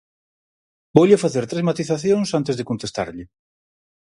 Voulle facer tres matizacións antes de contestarlle.